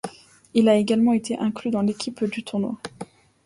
Il a également été inclus dans l'équipe du tournoi.